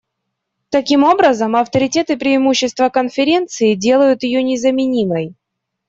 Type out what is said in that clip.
Таким образом, авторитет и преимущества Конференции делают ее незаменимой.